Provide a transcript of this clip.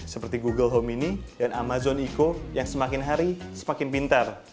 seperti google home mini dan amazon ico yang semakin hari semakin pintar